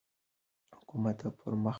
حکومت دا پرمخ وړي.